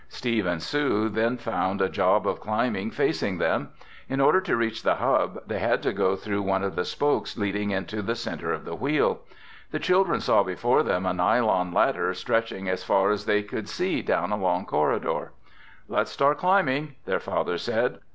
Steve and Sue then found a job of climbing facing them. In order to reach the hub, they had to go through one of the spokes leading into the center of the Wheel. The children saw before them a nylon ladder stretching as far as they could see down a long corridor. "Let's start climbing," their father said.